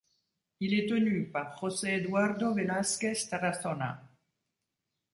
Il est tenu par José Eduardo Velásquez Tarazona.